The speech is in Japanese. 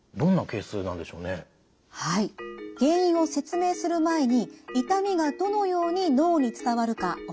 原因を説明する前に痛みがどのように脳に伝わるかお話しします。